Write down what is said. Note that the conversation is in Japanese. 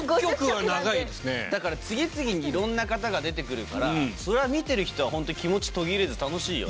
だから次々にいろんな方が出てくるから、それは見てる人は本当、気持ち途切れず、楽しいです